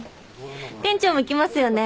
店長も行きますよね？